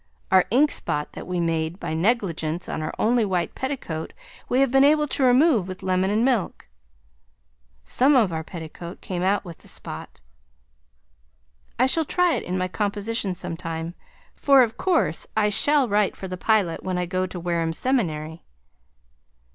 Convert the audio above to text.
Our inkspot that we made by negligence on our only white petticoat we have been able to remove with lemon and milk. Some of our petticoat came out with the spot. I shall try it in my composition sometime, for of course I shall write for the Pilot when I go to Wareham Seminary.